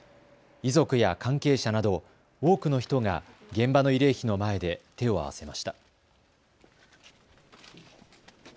遺族や関係者など多くの人が現場の慰霊碑の前で手を合わせました。